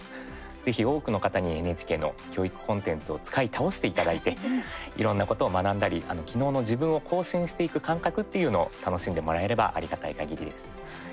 ぜひ多くの方にＮＨＫの教育コンテンツを使い倒していただいていろんなことを学んだり昨日の自分を更新していく感覚っていうのを楽しんでもらえればありがたいかぎりです。